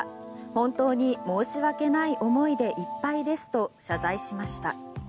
本当に申し訳ない思いでいっぱいですと謝罪しました。